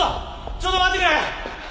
ちょっと待ってくれ！